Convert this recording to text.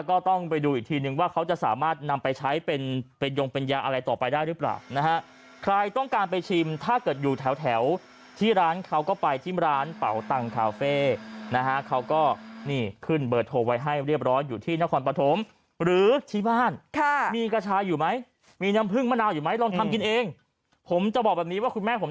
ก็ต้องไปดูอีกทีนึงว่าเขาจะสามารถนำไปใช้เป็นเป็นยงเป็นยาอะไรต่อไปได้หรือเปล่านะฮะใครต้องการไปชิมถ้าเกิดอยู่แถวแถวที่ร้านเขาก็ไปที่ร้านเป่าตังคาเฟ่นะฮะเขาก็นี่ขึ้นเบอร์โทรไว้ให้เรียบร้อยอยู่ที่นครปฐมหรือที่บ้านค่ะมีกระชายอยู่ไหมมีน้ำผึ้งมะนาวอยู่ไหมลองทำกินเองผมจะบอกแบบนี้ว่าคุณแม่ผม